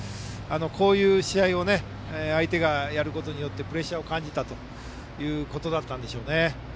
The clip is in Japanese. こういう試合を相手がやることによってプレッシャーを感じたということだったんでしょうね。